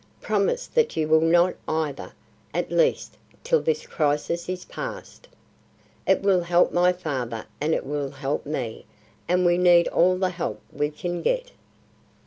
Promise that you will not either, at least till this crisis is passed. It will help my father and it will help me; and we need all the help we can get."